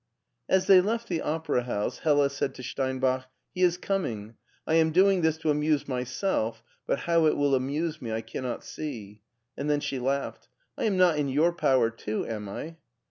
As they left the opera house, Hella said to Stein bach, " He is coming. I am doing this to amuse my self, but how it will amuse me I cannot see." And then she laughed. " I am not in your power too, am I